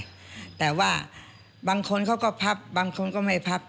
แต่ว่าบางคนเขาก็พับบางคนก็ไม่พับ